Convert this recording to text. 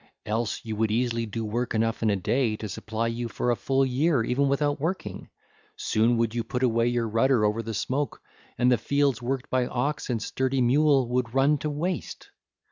Else you would easily do work enough in a day to supply you for a full year even without working; soon would you put away your rudder over the smoke, and the fields worked by ox and sturdy mule would run to waste.